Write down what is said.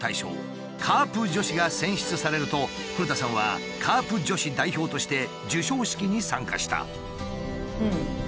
「カープ女子」が選出されると古田さんはカープ女子代表として授賞式に参加した。